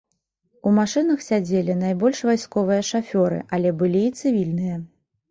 У машынах сядзелі найбольш вайсковыя шафёры, але былі і цывільныя.